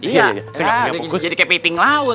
iya jadi kayak peting laut